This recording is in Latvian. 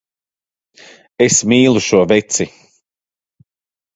Es mīlu šo veci.